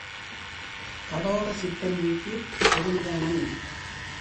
கடோர சித்தன் வீட்டிற் புகுந்தனன்.